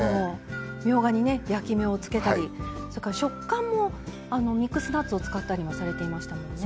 みょうがにね焼き目をつけたりそれから食感もミックスナッツを使ったりもされていましたもんね。